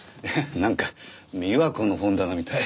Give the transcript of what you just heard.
なんか美和子の本棚みたい。